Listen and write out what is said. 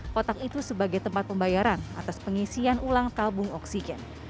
kotak itu sebagai tempat pembayaran atas pengisian ulang tabung oksigen